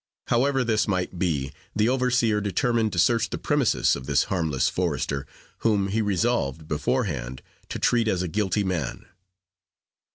However this might be, the overseer determined to search the premises of this harmless forester, whom he resolved, beforehand, to treat as a guilty man.